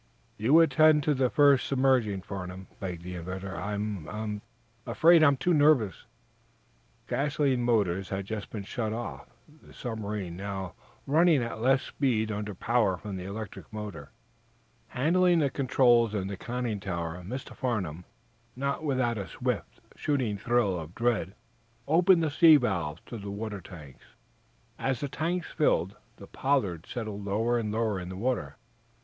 "You attend to the first submerging, Farnum," begged the inventor. "I I'm afraid I'm too nervous." The gasoline motor had just been shut off, the submarine now running at less speed under power from the electric motor. Handling the controls in the conning tower, Mr. Farnum, not without a swift, shooting thrill of dread, opened the sea valves to the water tanks. As the tanks filled the "Pollard" settled lower and lower in the water.